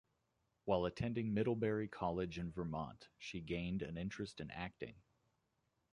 While attending Middlebury College in Vermont, she gained an interest in acting.